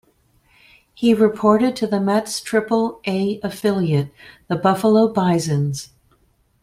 He reported to the Mets' Triple A affiliate, the Buffalo Bisons.